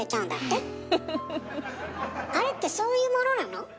あれってそういうものなの？